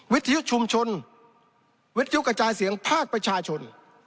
วิทยุชุมชนวิทยุกระจายเสียงภาคประชาชน